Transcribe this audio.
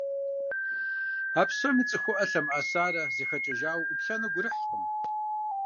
А псоми цӀыхуӀэ лъэмыӀэсарэ зэхэкӀэжауэ уӀуплъэну гурыхькъым.